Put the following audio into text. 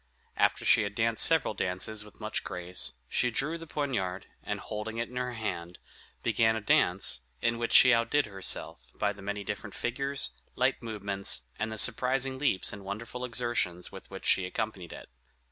After she had danced several dances with much grace, she drew the poniard, and holding it in her hand, began a dance, in which she outdid herself, by the many different figures, light movements, and the surprising leaps and wonderful exertions with which she accompanied it.